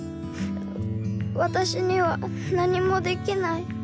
わたしにはなにもできない。